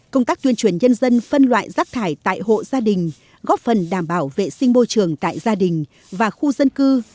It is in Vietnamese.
công tác tuyên truyền nhân dân phân loại rác thải tại hộ gia đình góp phần đảm bảo vệ sinh môi trường tại gia đình và khu dân cư